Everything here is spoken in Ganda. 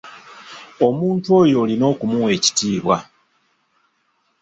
Omuntu oyo olina okumuwa ekitiibwa.